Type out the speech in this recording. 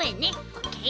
オッケー。